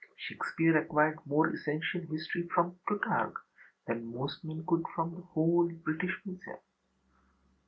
Shakespeare acquired more essential history from Plutarch than most men could from the whole British Museum.